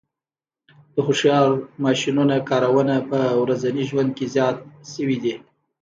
د هوښیار ماشینونو کارونه په ورځني ژوند کې زیات شوي دي.